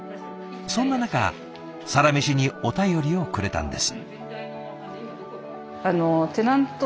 そんな中「サラメシ」にお便りをくれたんです。